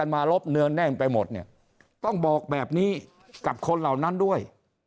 มาลบเนื้อแน่นไปหมดเนี่ยต้องบอกแบบนี้กับคนเหล่านั้นด้วย